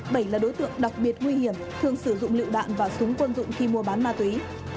bảy là đối tượng đặc biệt nguy hiểm thường sử dụng lựu đạn và súng quân dụng khi mua bán ma túy